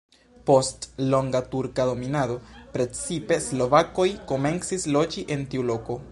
Post longa turka dominado precipe slovakoj komencis loĝi en tiu loko.